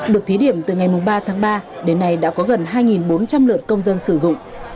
được thí điểm từ ngày ba tháng ba đến nay đã có gần hai bốn trăm linh lượt công dân sử dụng